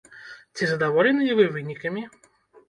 Ці задаволеныя вы вынікамі?